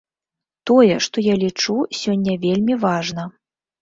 Тое, што я лічу, сёння вельмі важна.